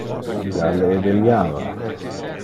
Illa le eveliava.